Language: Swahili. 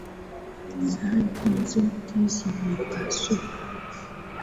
Sahani zote zimepasuka